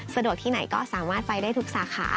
สะดวกที่ไหนก็สามารถไปได้ทุกสาขา